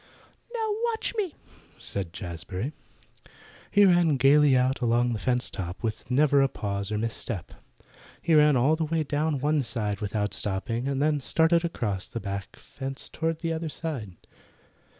"Now watch me!" said Jazbury. He ran gaily out along the fence top with never a pause or mis step. He ran all the way down one side without stopping, and then started across the back fence toward the other side.